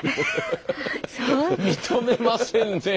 認めませんね。